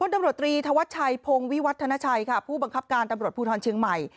ตำรวจตรีธวัชชัยพงศ์วิวัฒนาชัยค่ะผู้บังคับการตำรวจภูทรเชียงใหม่